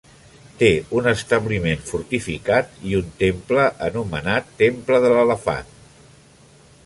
Té un establiment fortificat i un temple anomenat Temple de l'Elefant.